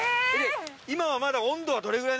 今はまだ温度はどれくらい？